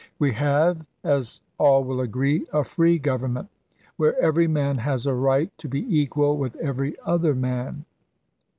We have, as all will agree, a free government, where every man has a right to be equal with every other man.